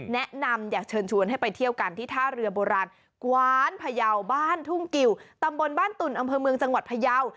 แนะนำอยากเชิญชวนให้ไปเที่ยวกันที่ท่าเรือโบราณกว้านพยาวบ้านทุ่งกิวตำบลบ้านตุ่นอำเภอเมืองจังหวัดพยาว